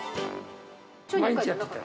毎日やってた。